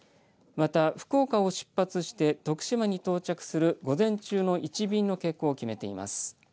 また、福岡を出発して徳島に到着する午前中の１便の欠航を決めています。